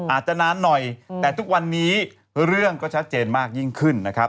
อาจจะนานหน่อยแต่ทุกวันนี้เรื่องก็ชัดเจนมากยิ่งขึ้นนะครับ